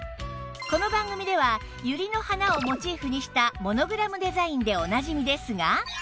この番組では百合の花をモチーフにしたモノグラムデザインでおなじみですが